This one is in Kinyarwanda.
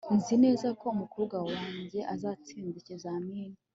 nzi neza ko umukobwa wanjye azatsinda ikizamini